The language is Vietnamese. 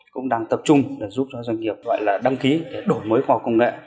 cũng đang tập trung để giúp cho doanh nghiệp đăng ký để đổi mới khoa học công nghệ